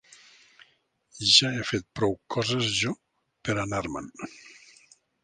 Ja he fet prou coses jo pera anar-me'n